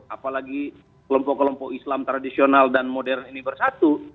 apalagi kelompok kelompok islam tradisional dan modern ini bersatu